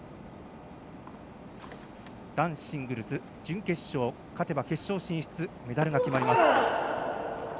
男子シングルス準決勝勝てば決勝進出メダルが決まります。